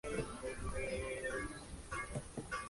Se graduó en ciencias naturales en la Universidad de Pavía.